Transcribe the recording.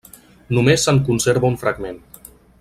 Només se'n conserva un fragment.